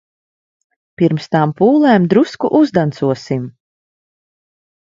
Pirms tām pūlēm drusku uzdancosim.